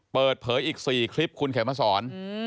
เปิดทางเพลย์อีกที่๔คลิปคุณแข่งพระสอน